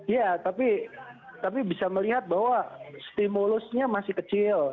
ya tapi bisa melihat bahwa stimulusnya masih kecil